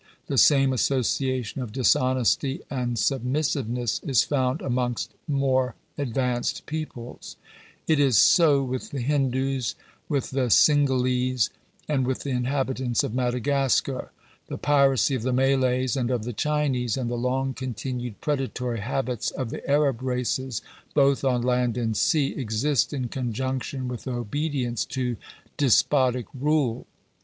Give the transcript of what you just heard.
The same association of dishonesty and submissive ness is found amongst more advanced peoples. It is so with Digitized by VjOOQIC GENERAL CONSIDERATIONS. 423 the Hindoos, with the Cinghalese, and with the inhabitants of Madagascar. The piracy of the Malays, and of the Chinese, and the long continued predatory habits of the Arab races, both on land and sea, exist in conjunction with obedience to despotic rule.